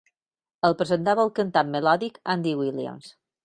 El presentava el cantant melòdic Andy Williams.